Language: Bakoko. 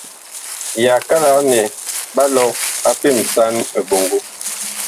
Yakalak nɛ ɓa lɔg a pemsan miɓɔŋgo.